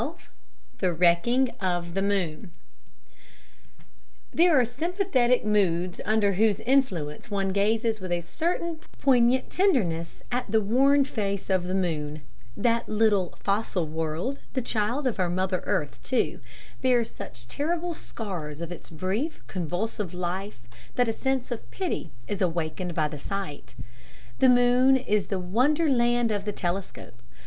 XII The Wrecking of the Moon There are sympathetic moods under whose influence one gazes with a certain poignant tenderness at the worn face of the moon; that little "fossil world" (the child of our mother earth, too) bears such terrible scars of its brief convulsive life that a sense of pity is awakened by the sight. The moon is the wonder land of the telescope.